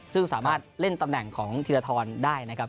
ซึ่งสามารถเล่นตำแหน่งของธีรทรได้นะครับ